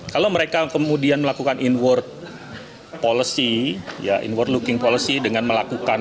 kalau mereka kemudian melakukan inward policy inward looking policy dengan melakukan